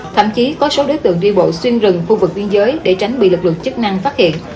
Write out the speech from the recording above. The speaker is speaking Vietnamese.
thậm chí có số đối tượng đi bộ xuyên rừng khu vực biên giới để tránh bị lực lượng chức năng phát hiện